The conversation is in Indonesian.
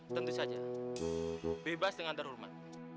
tentu saja bebas dengan terhormat